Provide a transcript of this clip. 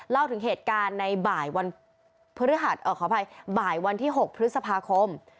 เล่าถึงเหตุการณ์ในบ่ายวันพฤหัสขออภัยบ่ายวันที่๖พฤษภาคม